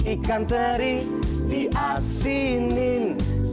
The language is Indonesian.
ikan teri di asinin